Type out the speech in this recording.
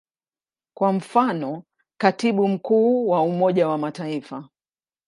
Kwa mfano, Katibu Mkuu wa Umoja wa Mataifa.